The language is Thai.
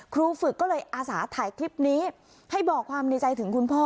ครูฝึกก็เลยอาสาถ่ายคลิปนี้ให้บอกความในใจถึงคุณพ่อ